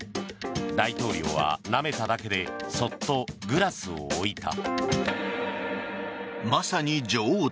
大統領はなめただけでそっとグラスを置いた。